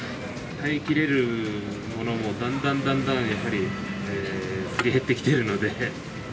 耐えきれるものもだんだんだんだんやはり、すり減ってきてるので。